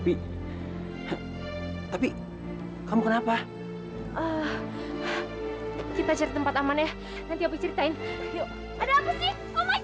tapi kamu kenapa kita tempat aman ya nanti ceritain ada apa sih oh my god